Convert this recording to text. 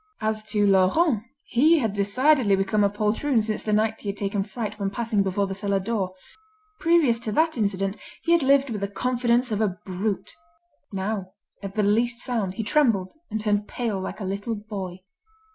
As to Laurent, he had decidedly become a poltroon since the night he had taken fright when passing before the cellar door. Previous to that incident he had lived with the confidence of a brute; now, at the least sound, he trembled and turned pale like a little boy.